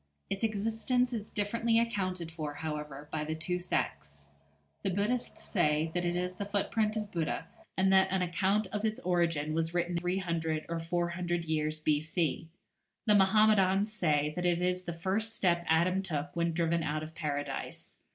Its existence is differently accounted for, however, by the two sects. The Buddhists say it is the footprint of Buddha, and that an account of its origin was written 300 or 400 years B.C. The Mohammedans say that it is the first step Adam took when driven out of Paradise.